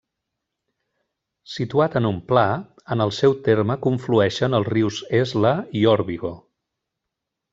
Situat en un pla, en el seu terme conflueixen els rius Esla i Órbigo.